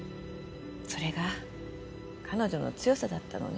それが彼女の強さだったのね。